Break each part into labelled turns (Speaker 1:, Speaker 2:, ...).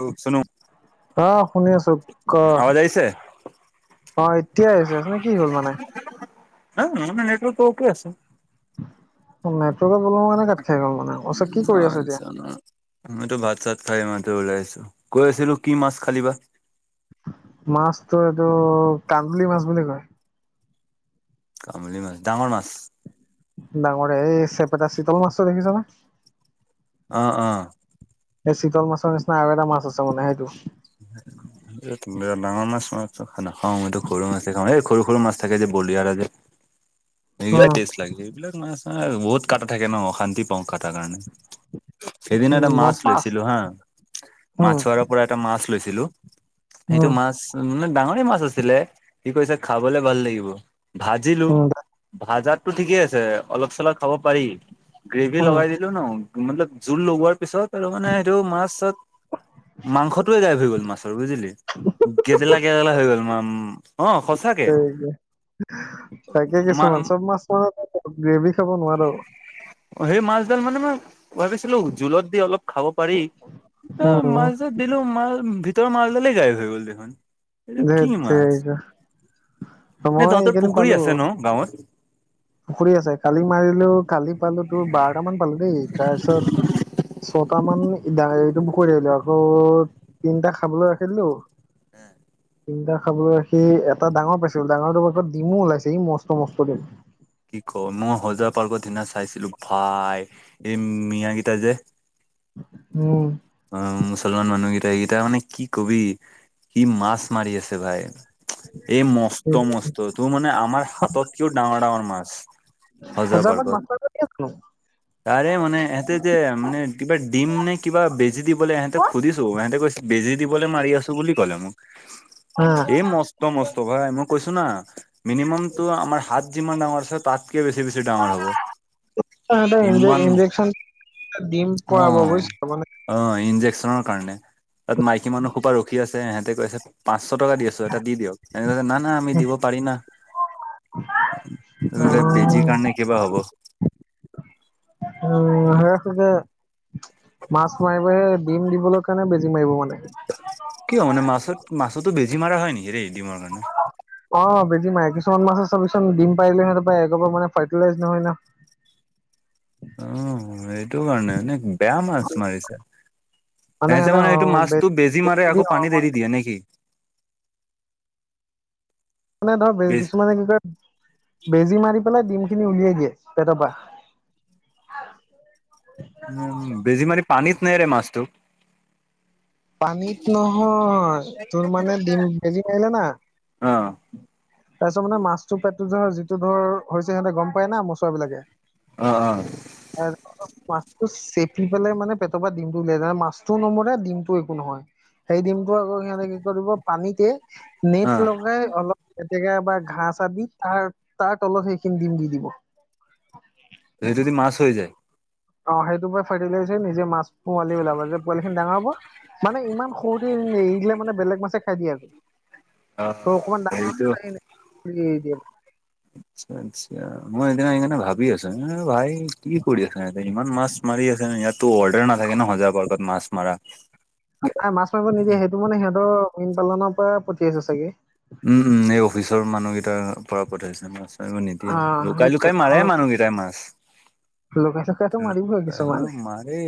Speaker 1: অ চুনো
Speaker 2: আহ শুনি আছোঁ।
Speaker 1: আৱজ আহিছে
Speaker 2: অ এতিয়াই আহিছে আ কি হল মানে।
Speaker 1: নাই [unintelligible] আছে।
Speaker 2: [unintelligible] কাত খাই গ'ল ন।
Speaker 1: উম [unintelligible] আমিটো ভাত চাত খাই মইটো ওলাই কৈ আছিলোঁ কি মাছ খালি বা।
Speaker 2: মাছটো এইটো কান্দুলি মাছ বুলি কয়।
Speaker 1: কান্ডলী মাছ ডাঙৰ মাছ।
Speaker 2: ডাঙৰে এই চেপেটা চীতল মাছটো দেখিছনে।
Speaker 1: অহ অহ।
Speaker 2: এই চিতল মাছৰ নিচিনা আৰু এটা মাছ আছে মানে সেইটো।
Speaker 1: ডাঙৰ মাছ মাছ খানি নাখাওঁ মইটো সৰু মাছে খাওঁ এই সৰু সৰু মাছ থাকে যে বলিয়াৰ আৰ যে। সেইবিলাক
Speaker 2: উম,
Speaker 1: টেষ্ট লাগে সেইবিলাক মাছ আৰু বহুত কাটা থাকে নহ অশান্তি। বং খটাৰ কাৰণে। [unintelligible] সেইদিনা এটা
Speaker 2: উম, মই
Speaker 1: মাছ
Speaker 2: পাঁচ
Speaker 1: লৈছিলোঁ হা
Speaker 2: উম,
Speaker 1: মাছোৱাৰ পৰা এটা মাছ লৈছিলোঁ। সেইটো
Speaker 2: উম,
Speaker 1: মাছ, মানে ডাঙৰে মাছ আছিলে। সি কৈছে খাবলে ভাল লাগিব। ভাজিলো
Speaker 2: উম,
Speaker 1: ভাজাতটো ঠিকে আছে অলপ চলপ খাব পাৰি। গ্ৰেভি
Speaker 2: উম,
Speaker 1: লগাই দিলো ন, মতলব জোল লগোৱাৰ পিছত আৰু মানে সেইটো মাছত মাংসটোয়ে গাইপ হৈ গ'ল মাছৰ বুজিলি গেদেলা গেদেলা হৈ গ'ল মা।
Speaker 2: সেয়ে। থাকে
Speaker 1: মা
Speaker 2: কিছুমান, চব মাছ ম‌ই গ্ৰেভি খাব নোৱাৰো।
Speaker 1: অ সেই মাছডাল মানে মই, ভাবিছিলো জোলত দি অলপ খাব পাৰি
Speaker 2: উম,
Speaker 1: মাছডাল দিলো মা ভিতৰৰ মালডালেই গাইপ হৈ গ'ল দেখোন। এইটো কি
Speaker 2: ধেত
Speaker 1: মাছ
Speaker 2: তেৰিকা মই
Speaker 1: তহঁতৰ
Speaker 2: এইকেইদিন
Speaker 1: পুখুৰী
Speaker 2: পালো
Speaker 1: আছে নহ গাঁৱত।
Speaker 2: বাৰট মান পালোঁ দেই তাৰপিছত ছটামান। এইটো কৰি আহিলো আকৌ তিনিটা খাবলৈ ৰাখি দিলো।
Speaker 1: এ।
Speaker 2: তিনিটা খালু সি এটা ডাঙৰ পাইছিলো, ডাঙৰটোৰ পাছত ডিমো ওলাইছে এই মস্ত মস্ত ডিম।
Speaker 1: কি কওঁ মই হজোৱা পাৰ্কৰত সিদিনা। চাইছিলো ভাই এই মিয়াকেইটা যে।
Speaker 2: উম।
Speaker 1: অ মুছলমান মানুহকেইটা কেইটা মানে কি কবি কি মাছ মাৰি আছে ভাই। এই মস্ত মস্ত তোৰ মানে আমাৰ হাতত কিয় ডাঙৰ ডাঙৰ মাছ। সজা
Speaker 2: হজাৰবাদ
Speaker 1: পাৰ্কত
Speaker 2: মাছ মাৰিব দিয়েটো।
Speaker 1: তাৰে মান ইহঁতে যে মানে কিবা। দিম নে কিবা বেজি দিবলৈ ইহঁতক সুধিছো ইহঁতে কৈছে বেজি দিবলৈ মাৰি আছোঁ বুলি ক'লে মোক।
Speaker 2: হা
Speaker 1: এ মস্ত মস্ত ভাই মই কৈছোঁ না। মিনিমাম তো আমাৰ হাত যিমান ডাঙৰ আছে তাতকে বেছি বেছি ডাঙৰ হব।
Speaker 2: হতেজ
Speaker 1: ইমান
Speaker 2: ইন্জেকচন দিম পোৱাব বুজছো মানে [unintelligible]
Speaker 1: ইনজেকশ্যন কাৰণে, তাত মাইকী মানুহ সোপা ৰখি আছে, ইহঁতে কৈছে পাঁচশ টকা দি আছো, এটা দি দিয়ক। ইহঁতে কৈছে না না আমি দিব পাৰি না। লে বেজিৰ কাৰণে কিবা হ'ব।
Speaker 2: [unintelligible] মাছ মাৰিবহে, ডিম দিবলৈ কাৰণে বেজি মাৰিব মানে।
Speaker 1: কিয় মানে? মাছত, মাছতো বেজী মাৰা হয়, নেকি ৰেই ডিমৰ কাৰণে?
Speaker 2: বেজী মাৰে, কিছুমান মাছৰ চাবি চোন, ডিম পাৰিলেয়ো সিহঁতে [unintelligible] ফাৰ্টিলাইজ নহয় ন'।
Speaker 1: অ', এইটো কাৰণে, এনে বেয়া মাছ মাৰিছে। সেহেঁতে মানে এইটো
Speaker 2: বেজি
Speaker 1: মাছটো বেজী মাৰে,
Speaker 2: দি
Speaker 1: আকৌ পানী এৰি
Speaker 2: মানে
Speaker 1: দিয়ে নেকি?
Speaker 2: মানে ধৰ
Speaker 1: বেজ
Speaker 2: কিছুমানে কি কৰে, বেজী মাৰি পেলাই ডিম খিনি উলিয়াই দিয়ে পেটৰ পা।
Speaker 1: উম, বেজী মাৰি পানীত নেৰে মাছটো?
Speaker 2: পানীত নহয়, তোৰ মানে ডিম বেজী মাৰিলে না
Speaker 1: অ
Speaker 2: তাৰপিছত মানে মাছটো পেটটো ধৰ যিটো ধৰ হৈছে সিহঁতে গম পায় না, মচুৱাবিলাকে
Speaker 1: অ', অ'।
Speaker 2: মাছটো চেপি পেলাই মানে পেটৰ পৰা ডিমটো উলিয়াই যায়, মাছটোয়ো নমৰে ডিমটো টো, একো নহয়, সেই ডিমটো আকৌ সিঁহতে কি কৰিব, পানীতে
Speaker 1: অ
Speaker 2: নেট লগাই অলপ এতেকে এবাৰ ঘাঁহ, চাহ দি তাৰ, তাৰ তলত সেইখিনি ডিম দি দিব।
Speaker 1: সেইটো দি মাছ হৈ যায়
Speaker 2: অ', সেইটোৰ পৰা ফাৰ্টিলাইজ হৈ নিজেই মাছ পোৱালি ওলাব যে, পোৱালিখিনি ডাঙৰ হ'ব মানে ইমান সৰুতে এৰি দিলে মানে বেলেগ মাছে খাই দিয়ে আকৌ।
Speaker 1: অ
Speaker 2: তো, অকমান
Speaker 1: সেইটো
Speaker 2: ডাঙৰ [unintelligible]
Speaker 1: আচ্ছা, আচ্ছা, মই সেইদিনা সেইকাৰণে ভাবি আছোঁ আৰে ভাই কি কৰি আছে ইহঁতে, ইমান মাছ মাৰি আছেনে, ইয়াতো অৰ্ডাৰ নাথাকে নহ, সজা পাৰ্কত মাছ মাৰা।
Speaker 2: মাছ মাৰিব নিদিয়ে, সেইটো মানে সি মীন পালনৰ পৰা পঠিয়াইছে চাগে।
Speaker 1: ত' পৰা পঠাইছে মাছ মাৰিব নিদিয়ে,
Speaker 2: অ'
Speaker 1: লুকাই,
Speaker 2: সেইটোৱে
Speaker 1: লুকাই মাৰে
Speaker 2: নহ'লে
Speaker 1: মানুহকিটাই মাছ।
Speaker 2: [unintelligible] মাৰিবই কিছুমানে।
Speaker 1: অ', মাৰে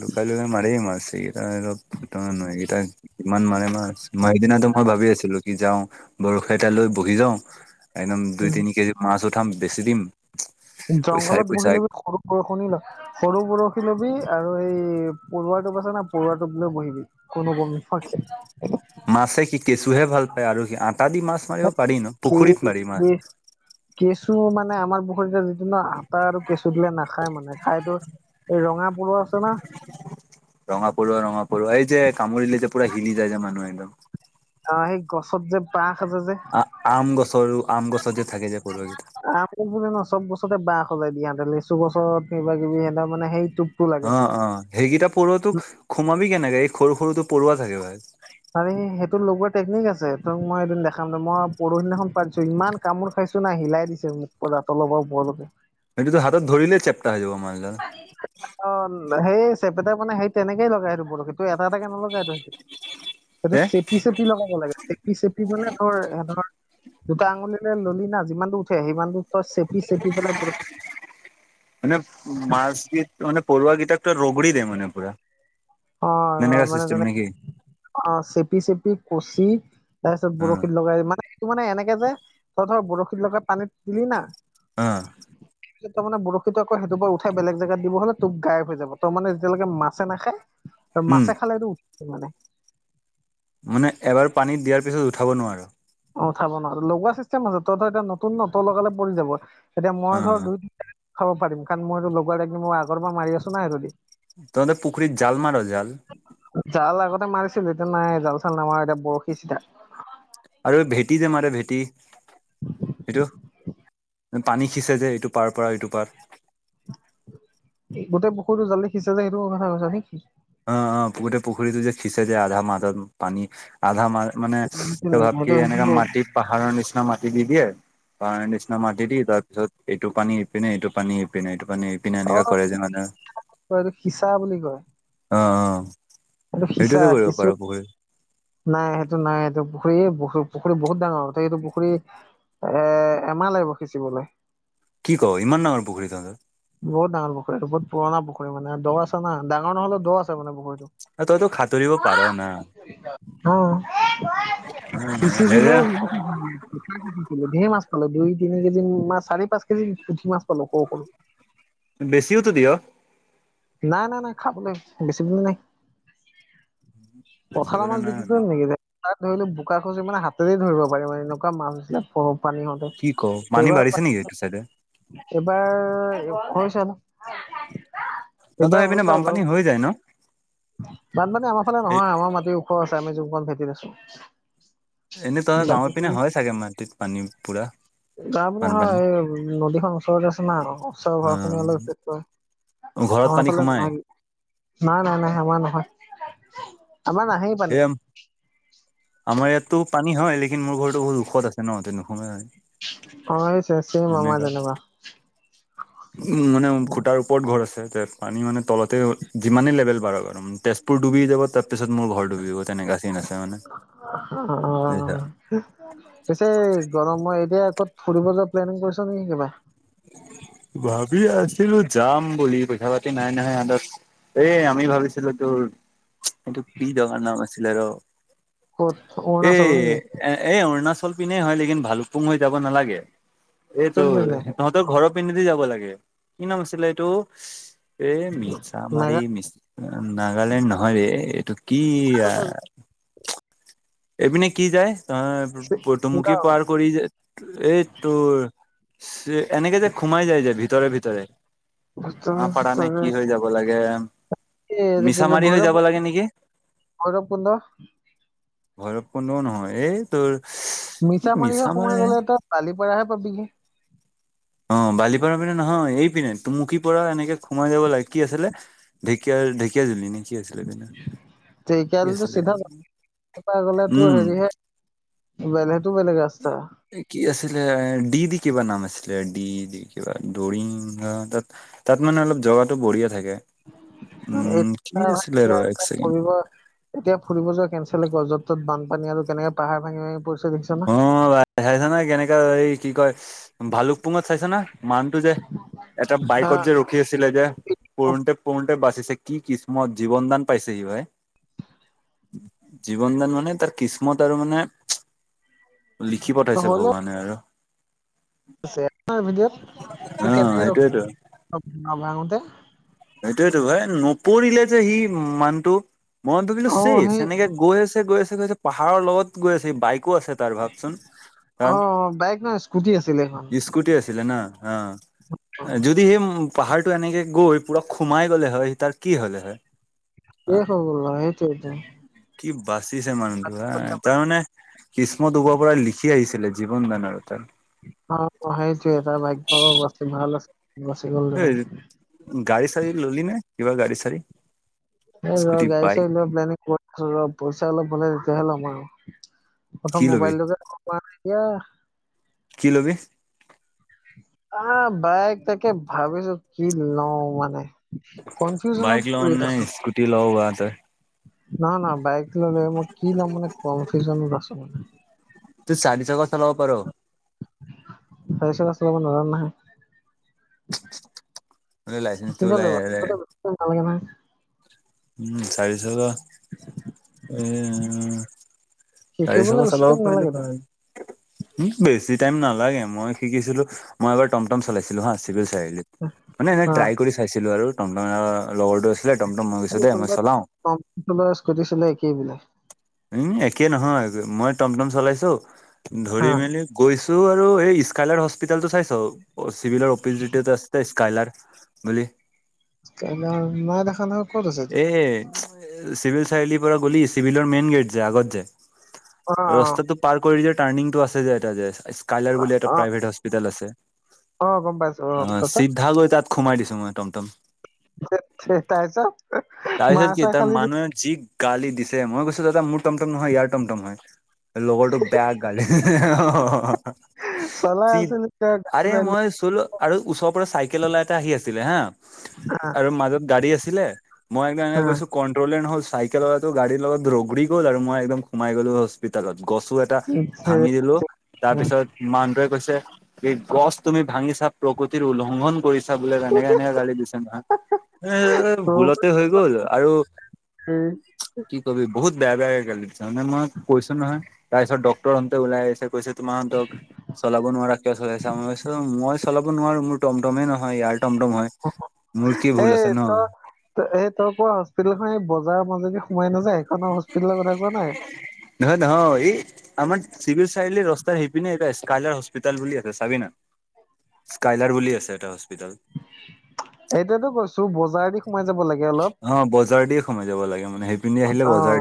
Speaker 1: লুকাই, লুকাই মাৰে মাছ, এইগিটা অলপ ফটোৱা মানুহ এইগিটাক ইমান মাৰে মাছ, মই সেইদিনাটো মই ভাবি আছিলো কি যাওঁ বৰশী এটা লৈ বহি যাও, একদম দুই
Speaker 2: উম,
Speaker 1: তিনি কেজি মাছ উঠ উঠাম, বেছি দিম। পইচাই
Speaker 2: জংঘলত
Speaker 1: পইচা
Speaker 2: বহিলে বোলো সৰু বৰশনে লয় সৰু বৰশ ল'বি আৰু এই পৰুৱা টোপ আছে না, পৰুৱা টোপ লৈ বহিবি। কোনোবম। [unintelligible]
Speaker 1: মাছে কি কেঁচুহে ভাল পায় আৰু সি, আটা দি মাছ মাৰিব পাৰি ন? পুখুৰীত পাৰি মাছ।
Speaker 2: চু মানে আমাৰ পুখুৰীত যিটো ন আতা আৰু কেঁচু দিলে নাখায় মানে, খাইতো এই ৰঙা পৰুৱা আছে না।
Speaker 1: ৰঙা পৰুৱা ৰঙা পৰুৱা, এই যে কামুৰিলে যে পুৰা হিলি যায় যে মানুহ একদম।
Speaker 2: অ সেই গছত যে বাহ
Speaker 1: আ আম গছৰো, আম গছত যে থাকে যে পৰুৱা কেইটা।
Speaker 2: আম গছ বুলি নহয়, চব গছতে বাহ সজাই দিয়ে সিহঁতে, লেচু গছত কিবা কিবি সিহঁত মানে সেইটো
Speaker 1: অ অ, সেইকেইটা পৰুৱাতোক সোমাবি কেনেকে? এই সৰু সৰুটো পৰুৱা থাকে ভাই।
Speaker 2: আৰে, সেইটো লগোৱা টেকনিক আছে। তোক মই এদিন দেখাম দে। মই পৰহিদিনাখন পাই থৈছো, ইমান কামোৰ খাই ছো নাই হিলাই দিছে মোক পুৰা তলৰ পা উপৰলেকে।
Speaker 1: এইটোতো হাতত ধৰিলে চেপ্টা হৈ যাব। মাছডাল
Speaker 2: অ, সেই চেপেটা মানে সেই তেনেকেই লগাই আৰু বৰশীত। তই এটা এটাকে নলগাইটো। সেইটো
Speaker 1: যে
Speaker 2: চেপি চেপি লগাব লাগে, চেপি চেপি মানে ধৰ, ধৰ দুটা আঙুলিলে ললি না, যিমানটো উঠে সিমানটো তই চেপি চেপি পেলাই বৰ
Speaker 1: মানে মাছ কি? মানে পৰুৱা গীতাক ৰোগৰি দেয়ে মানে পুৰা
Speaker 2: অ',
Speaker 1: তেনেকা
Speaker 2: আৰু মানে
Speaker 1: চিষ্টেম
Speaker 2: তেনে
Speaker 1: নে কি
Speaker 2: অ', চেপি চেপি, কচি। তাৰপিছত
Speaker 1: অ
Speaker 2: বৰশীত লগাই মানে, এইটো মানে এনেকে যে ধ ধৰ বৰশীত লগা পানীত দিলি না।
Speaker 1: অ
Speaker 2: তাৰ মানে বৰশীটো আকৌ সেইটো বাৰ উঠাই বেলেগ জেগাত দিব হলে তোক গাই হৈ যাব তাৰ মেতিয়ৈকে মাছে নাখায়। ত
Speaker 1: উম
Speaker 2: মাছো খালেটো উঠছে মানে
Speaker 1: মানে এবাৰ পানীত দিয়াৰ পিছত উঠাব নোৱাৰো।
Speaker 2: অ', চাব ন লগোৱা চিষ্টেম আছে, ত ধ এতিয়া নতুন ন ত লগালে পৰি যাব, এতিয়া মই
Speaker 1: অ
Speaker 2: ধৰ দুই খাব পাৰিম। কাৰণ মই লগাই লাগি মই আগৰ পৰা মাৰি আছো নাই সেইটোদি।
Speaker 1: তহতে পুখুৰীত জাল, মাৰ জাল।
Speaker 2: জাল আগতে মাৰিছিলো, এতিয়া নাই জাল চাল নামাৰো এতিয়া বৰশী চিধা।
Speaker 1: আৰু ভেটি যে মাৰে ভেটি? সেইটো পানী সিচে যে এইটো পাৰ পৰা এইটো পা
Speaker 2: গোটেই পুখুৰীটো জল্দি সিঁচে যে সেইটো কথা কৈছা নেকি?
Speaker 1: অ', অ' গোটেই পুখুৰীটো যে খিচে যায় আধা, মাতত পানী আধা মা মানে কি ভাব কি?
Speaker 2: সেইটো
Speaker 1: এনেকা
Speaker 2: সেইটো
Speaker 1: মাটি পাহাৰৰ নিচিনা মাটি দি দিয়ে। পাৰ নিচিনা মাটি দি তাৰ পিছত এইটো পানী এপিনে, এইটো পানী ইপিনে এইটো মানে এইপিনে
Speaker 2: অ
Speaker 1: এনেকা কৰে, যে মানে।
Speaker 2: এইটো সিঁচা বুলি কয়।
Speaker 1: অ', অ'
Speaker 2: এইটো সিঁচা
Speaker 1: সেইটোয়তো কৰিব
Speaker 2: সিঁচো
Speaker 1: পাৰো, পুখুৰী
Speaker 2: নাই সেইটো, নাই সেইটো পুখুৰী, পুখুৰী বহুত ডাঙৰ সেইটো পুখুৰী এ এমাহা লাগিব সিচিবলে।
Speaker 1: কি ক ইমান ডাঙৰ পুখুৰী তহঁতৰ
Speaker 2: বহুত ডাঙৰ পুখুৰীটো বহুত পুৰণা পুখুৰী মানে দ আছে না। ডাঙৰ নহলেও দ' আছে মানে বহুত
Speaker 1: অ', তইতো সাঁতুৰিব পাৰ
Speaker 2: অ',
Speaker 1: না
Speaker 2: কি কৰিছা? উ'ম এ! গৈ আছো।
Speaker 1: হেৰা
Speaker 2: সিঁচিছিলোনেকি [inaudible] ধেৰ মাছ। হলে দুই, তিনি কেজি মা চাৰি, পাঁচ কেজি পুঠি মাছ পালো সৰু, সৰু
Speaker 1: বেছিওতো দিয়।
Speaker 2: নাই, নাই, নাই খাবলৈ বেছি দিন নাই।
Speaker 1: বেছি
Speaker 2: পথাৰৰ
Speaker 1: বলে
Speaker 2: মাছ বিক্ৰী
Speaker 1: নাই
Speaker 2: কৰিম নেকি? দে। তাত ধৰি ললে বোকা খুচি মানে হাতেৰে ধৰিব পাৰি মান এনেকুৱা মাছ পানী হওঁতে
Speaker 1: কি ক পানী
Speaker 2: এইবাৰ,
Speaker 1: বাঢ়িছে নেকি এইটো চাইডে
Speaker 2: এইবাৰ। ঔ চামো।
Speaker 1: তহঁতৰ
Speaker 2: এইবাৰ
Speaker 1: সেইপিনে
Speaker 2: হৈছে
Speaker 1: বানপানী হৈ যায় ন
Speaker 2: অলপ বানপানী আমাৰ ফালে
Speaker 1: এই
Speaker 2: নহয় আমাৰ মাটিৰ ওখ আছে। আমি যুগমন ভেটিত আছো।
Speaker 1: এনেই ত গাঁৱৰ পিনে
Speaker 2: বাকীখিনি
Speaker 1: হয় চাগে, মাটিত পানী পুৰা
Speaker 2: তাৰমানানে
Speaker 1: বানপানী
Speaker 2: হয়, এই নদীখন ওচৰৰত আছে না ওচৰৰ ঘৰ খিনি অলপেষ
Speaker 1: ঘৰত পানী
Speaker 2: ফালে ন
Speaker 1: সোমাই
Speaker 2: নাই, নাই, নাই আমাৰ নহয়। আমাৰ নাহেই পানী
Speaker 1: এম আমাৰ ইয়াত তো পানী হয় লেকিন মোৰ ঘৰতো বহু ওখত আছে ন তে নুসুমাই।
Speaker 2: অ', এই চেচিৰ মমাৰ তেনেকুৱা
Speaker 1: উ'ম, মানে খুটাৰ ওপৰত ঘৰ আছে। পানী মানে তলতে যিমানেই লেভেল বাৰক আৰু তেজপুৰ ডুবি যাব, তাৰপিছত মোৰ ঘৰ ডুবিব তেনেকা চিন আছে মানে বুজিছা।
Speaker 2: অ পিছে গৰমত এতিয়া ক'ত ফুৰিব যোৱা প্লেনিং কৰিছ নেকি কিবা?
Speaker 1: ভাবি আছিলো, যাম বুলি পইচা-পাতি নাই নহয় হাতত। এই আমি ভাবিছিলো তোৰ এইটো কি জাঙাৰ নাম আছিলে ৰ?
Speaker 2: ক'ত
Speaker 1: এ!
Speaker 2: অৰুণাচল নেকি
Speaker 1: এ, এ অৰুণা ফচল পিনেই হয় লেকিন ভালুকপুং হৈ যাব নালাগে। এইটো।
Speaker 2: কোন পিনে
Speaker 1: তহঁতৰ ঘৰৰ পিনেদি যাব লাগে। কি নাম আছিলে এইটো? এ মিছামাৰী, মিছ নাগালেণ্ড নহয় দে কি?
Speaker 2: মেঘালয়,
Speaker 1: এপিনে কি যায়, ত পটোমখী
Speaker 2: শ্বিলং,
Speaker 1: পাৰ কৰি যে, এই তোৰ এনেকে যে সোমাই যায় যে ভিতৰে ভিতৰে, আপাৰা নে কি হৈ যাব লাগে
Speaker 2: এই কি
Speaker 1: মিছামাৰী হৈ
Speaker 2: ভৈৰৱ
Speaker 1: যাব লাগে নেকি
Speaker 2: ভৈৰৱকুণ্ড
Speaker 1: ভৈৰৱকুণ্ডও নহয়, এই তোৰ
Speaker 2: মিছামাৰিহে সোমাই
Speaker 1: মিছামাৰী
Speaker 2: গ'লে এতিয়া বালিপাৰাহে পাবিহি।
Speaker 1: অ' বালিপাৰা পিনে নহয়, এই পিনে টুমুকি পৰা এনেকে সোমাই যাব লাগে কি আছিলে? ঢেকীয়া ঢেকীয়াজুলি নে কি আছিলে পিনে কি
Speaker 2: তোল
Speaker 1: আছিলে
Speaker 2: চিধা গ'লে, চিধা গ'লে তো
Speaker 1: উম
Speaker 2: হেৰিহে বেলে
Speaker 1: কি আছিলে ডি দি কিবা নাম কিবা দৰিং তাত, তাত মানে অলপ জগাটো বঢ়িয় থাকে
Speaker 2: [unintelligible]
Speaker 1: উম কি আছিলে ৰ এক ছেকেণ্ড
Speaker 2: ফুৰিব, এতিয়া ফুৰিব যোৱা কেঞ্চেল য'ত - ত'ত বানপানী আৰু কেনেকে পাহাৰ ভাঙি ভাঙি পৰিছে দেখিছ না?
Speaker 1: অ ভাই চাইছা না কেনেকা এই কি কয় ভালুকপুঙত চাইছ না মানটো যে এটা বাইকত
Speaker 2: আহ
Speaker 1: যে ৰখি আছিলে যে পোণতে পণ বাচিছে কি কিসমত জীৱনদান পাইছেহি সি ভাই জীৱনদান মানে তাৰ কিসমত আৰু মানে লিখি পঠাইছে
Speaker 2: হ'লে
Speaker 1: ভগৱানে আৰু। অ
Speaker 2: [unintelligible] কেনেকে
Speaker 1: সেইটোয়েতো
Speaker 2: ৰখোতে
Speaker 1: এইটো ভাই নপৰিলে যে সি মানটো মন ভাবিলো
Speaker 2: অ
Speaker 1: চেচ
Speaker 2: সেই
Speaker 1: এনেকে গৈ আছে গৈ আছে গৈছে পাহাৰৰ লগত গৈ আছে বাইকো আছে তাৰ ভাবচোন কাৰণ
Speaker 2: অ বাইক নহয় স্কুটি আছিলে এখন
Speaker 1: ইস্কুটী আছিলে ন, অ'
Speaker 2: অ
Speaker 1: যদি সেই পাহাৰটো এনেকে গৈ পুৰা খোমাই গ'লে হয় তাৰ কি হ'লে হয়
Speaker 2: এই খবৰ ভাই এইটোৱেইটো
Speaker 1: কি বাচিছে মানুহটো হা, তাৰমানে কিস্মত ওপৰৰ পৰা লিখি আহিছিলে জীৱনদানৰতাৰ
Speaker 2: অ সেইটোৱে তাৰ ভাগ্য বাচি ভাল আছিল বাচি গ'ল দেখোন
Speaker 1: এই গাড়ী- চাৰি ল'লি নে, কিবা গাড়ী চাড়ী?
Speaker 2: ৰ'
Speaker 1: স্কুটি
Speaker 2: গাড়ী -
Speaker 1: বাইক
Speaker 2: চাৰি লোৱাৰ প্লেনিং কৰি আছোঁ ৰ, পইচা অলপ হ'লে তেতিয়াহে ল'ম আৰু
Speaker 1: কি
Speaker 2: প্ৰথম
Speaker 1: লবি
Speaker 2: মোবাইলটোকে পৰা নাই এতিয়া
Speaker 1: কি ল'বি?
Speaker 2: অ' বাইক তাকে ভাবিছোঁ, কি লওঁ মানে কনফিউজনত কৰি আছোঁ নহয় নহয় বাইক ল'লে মই কি লম মানে কনফিউজনত আছোঁ মানে
Speaker 1: তই [unintelligible] চলাব পাৰ
Speaker 2: [unintelligible] নোৱাৰোঁ নহয়। কিমান লাগিব, নালাগে নহয়
Speaker 1: উম চাৰি চকা
Speaker 2: [unintelligible]
Speaker 1: এ চাৰি চাব
Speaker 2: শিকিবলৈ বেছি
Speaker 1: চলাব
Speaker 2: টাইম
Speaker 1: পাৰিলে,
Speaker 2: নালাগে নহয় শিকিবলৈ বেছি টাইম নালাগেতো
Speaker 1: উম বেছি টাইম নালাগে মই শিকিছিলোঁ, মই এবাৰ টমটম চলাইছিলো হা মানে, এনেই
Speaker 2: হা
Speaker 1: ট্ৰাই কৰি চাইছিলো আৰু তমট লগৰটো ছিলে টমটম
Speaker 2: যদি
Speaker 1: পিছতে দেই মই
Speaker 2: কোনোবাই
Speaker 1: চলাওঁ
Speaker 2: কম্পিউটাৰ চলোৱা স্কুটি চলোৱা একেই বোলে
Speaker 1: উম একে নহয় মই টমটম চলাইছো
Speaker 2: হা
Speaker 1: ধৰি মেলি গৈছোঁ ত আৰু এই স্কাইলাৰ হস্পিটলতটো চাইছ, চিভিলৰ অপিচ আছে স্কাইলাৰ বুলি
Speaker 2: [unintelligible] নাই দেখ ন ক'ত আছেটো
Speaker 1: এ চিভিল চাৰিআলিৰ পৰা গ'লি চিভিলৰ মেইন গেট যে আগত যে।
Speaker 2: অ
Speaker 1: ৰাস্তাতটো পাৰ কৰি দিয় টাৰ্ণিং টো আছে যে এটা যে। স্কাইলাৰ বুলি এটা
Speaker 2: অ অ
Speaker 1: প্ৰাইভেট হস্পিতেল আছে
Speaker 2: অ গম পাইছো
Speaker 1: অ
Speaker 2: তাৰপিছত
Speaker 1: চিধ গৈ তাত সোমাই দিছে। মই টম টম।
Speaker 2: তাইছ
Speaker 1: তাৰপিছত
Speaker 2: মাৰ
Speaker 1: কি
Speaker 2: চাই
Speaker 1: তাৰ
Speaker 2: খালি নিক।
Speaker 1: মানুহে যি গালি দিছে। মই কৈছো দাদা মোৰ টমটম নহয় ইয়াৰ টমটমহ হয়। লগৰটোক বেয়া গালি
Speaker 2: চলাই
Speaker 1: চি।
Speaker 2: আছিলো
Speaker 1: আৰে
Speaker 2: গাড়ী
Speaker 1: মই চলো আৰু ওচৰৰ পৰা চাইকেল ওলাই এটা আহি আছিলে হা।
Speaker 2: হা
Speaker 1: আৰু মাজত গাড়ী আছিলে। মই একদম এনেকে
Speaker 2: হা
Speaker 1: কৈছো কন্ট্ৰলে নহ'ল, চাইকেল লগতো গাড়ীৰ লগত ৰোগ। ঘূৰি গ'ল আৰু মই একম সোমাই গ'লোঁ হস্পিেলত। গছো এটা
Speaker 2: এই তই
Speaker 1: ভাঙি দিলো তাৰ পিছত মানটোৱে কৈছে। গছ তুমি ভাঙিছা প্ৰকৃতিৰ উলংঘন। পৰিচা বোলে তেনেকে এনেকে গালি দিছে নহয়। এ ভুলতে হৈ গ'ল আৰু।
Speaker 2: উম [unintelligible]
Speaker 1: কি কবি বহুত বেয়া বেয়াকে গালি দিছে হয়নে মানে মই কৈছো নহয়। তাৰ পিছত ডাক্তৰ ৰন্টুৱে ওলাই আহিছে কৈছো। তোমাহতক চলাব নোৱাৰা কিয়, হয়ই আছা। মই হইছো মই চলাব নোৱাৰো মোৰ তম। ম কম টমে নহয় ইয়াৰ টমটম হয় মোৰ কি ভুল আছে ন।
Speaker 2: ত এই তই কোৱা হস্পিতেলখন এই বজাৰৰ মাজেদি সোমাই নাযায়। সেইখনৰ হস্পিতেলৰ কথা কোৱা নাই।
Speaker 1: নহয় নহয় এই আমাৰ চিভিল চাৰিআলি ৰাস্তাৰ সিপিনে এটা আছে। কাইলৰ হস্পিতেল বুলি আছে চাবি ন স্কাইলাৰ্ক বুলি আছে এটা। পিতাল
Speaker 2: এইতোৰটো কৈছো বজাৰদি সোমাই যাব লাগি।
Speaker 1: অ বজাৰ দ সোমাই যাব লাগে মানে সেইপিনে দি আহিলে বজাৰ
Speaker 2: অ
Speaker 1: দি।